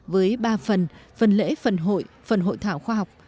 với ba phần phần lễ phần hội phần hội thảo khoa học